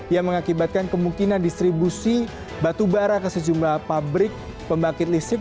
yang mengakibatkan kemungkinan distribusi batubara ke sejumlah pabrik pembangkit listrik